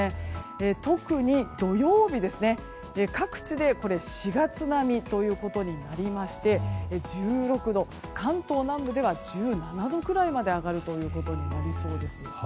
特に土曜日、各地で４月並みということになりまして１６度、関東南部では１７度くらいまで上がることになりそうです。